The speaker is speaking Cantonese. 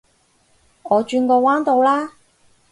我轉個彎到啦